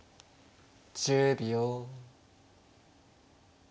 １０秒。